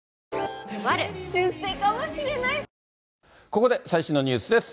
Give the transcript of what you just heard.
ここで最新のニュースです。